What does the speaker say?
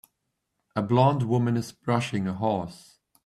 A blond woman is brushing a horse.